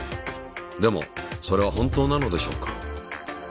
でもそれは本当なのでしょうか。